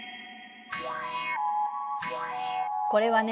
これはね